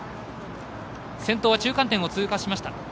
先頭は中間点を通過しました。